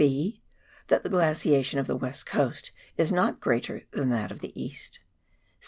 (h) That the glaciation of the West Coast is not greater than that of the East.